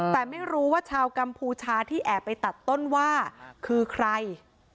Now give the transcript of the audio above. แต่ไม่รู้ว่าชาวกัมพูชาที่แอบไปตัดต้นว่าคือใคร